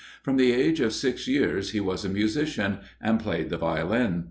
From the age of six years he was a musician, and played the Violin.